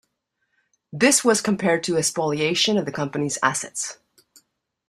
This was compared to a spoliation of the company's assets.